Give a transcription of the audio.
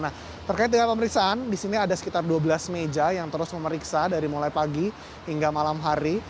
nah terkait dengan pemeriksaan di sini ada sekitar dua belas meja yang terus memeriksa dari mulai pagi hingga malam hari